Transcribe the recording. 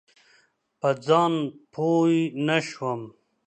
په ځان پوی نه شوم.